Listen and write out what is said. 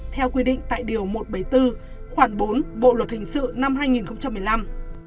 theo quy định tại điều một trăm bảy mươi bốn khoảng bốn bộ luật hình sự năm hai nghìn một mươi năm